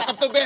cakep tuh be